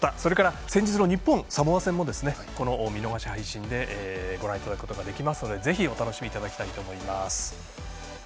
先日の日本対サモア戦も見逃し配信でご覧いただくことができますので、ぜひお楽しみいただきたいと思います。